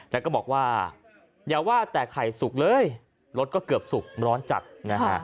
แล้วก็บอกว่าอย่าว่าแต่ไข่สุกเลยรสก็เกือบสุกร้อนจัดนะฮะ